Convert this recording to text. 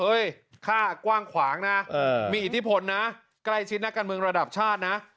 ค่ากว้างขวางนะมีอิทธิพลนะใกล้ชิดนักการเมืองระดับชาตินะ